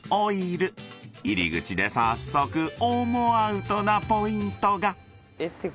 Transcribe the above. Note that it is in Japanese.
［入り口で早速オモアウトなポイントが］えっ？